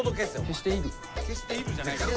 「消している」じゃないよ。